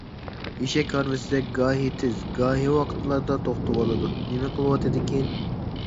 ئېشەك ھارۋىسىدەك گاھى تېز گاھى ۋاقىتلاردا توختىۋالىدۇ. نېمە قىلىۋاتىدىكىن؟